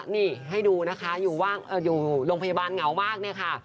นี่ให้ดูนะคะอยู่ว่างอ่าอยู่โรงพยาบาลเหงามากเนี่ยค่ะ